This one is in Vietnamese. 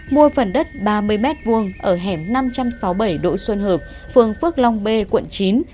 mua phần đất ba mươi m hai ở hẻm năm trăm sáu mươi bảy đỗ xuân hợp phường phước long b quận chín